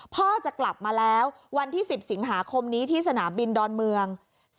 พ่อจะกลับมาแล้ววันที่๑๐สิงหาคมนี้ที่สนามบินดอนเมือง